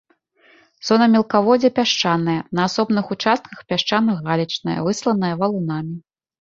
Зона мелкаводдзя пясчаная, на асобных участках пясчана-галечная, высланая валунамі.